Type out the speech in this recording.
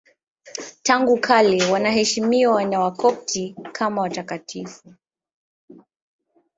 Tangu kale wanaheshimiwa na Wakopti kama watakatifu.